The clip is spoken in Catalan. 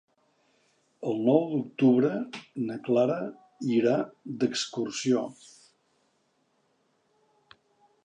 El nou d'octubre na Clara irà d'excursió.